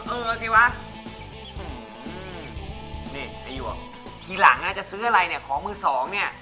เออสิวะนี่ไอ้หวกทีหลังอ่ะจะซื้ออะไรเนี่ยของมือสองเนี่ย